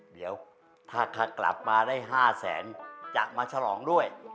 เดี๋ยวถ้ากลับมาได้๕แสนจะมาฉลองด้วย